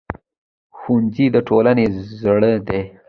ښوونځی د ټولنې زړه دی